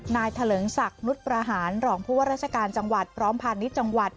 เถลิงศักดิ์นุษย์ประหารรองผู้ว่าราชการจังหวัดพร้อมพาณิชย์จังหวัด